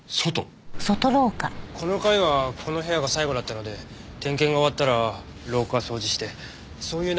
この階はこの部屋が最後だったので点検が終わったら廊下掃除してそういう流れなんです。